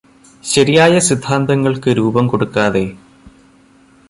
ശരിയായ സിദ്ധാന്തങ്ങൾക്ക് രൂപംകൊടുക്കാതെ.